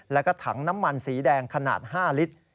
แล้วก็ถังน้ำมันสีแดงขนาด๕ลิตร